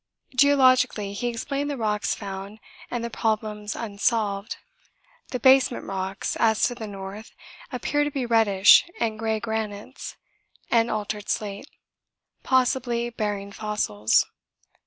Geologically he explained the rocks found and the problems unsolved. The basement rocks, as to the north, appear to be reddish and grey granites and altered slate (possibly bearing fossils).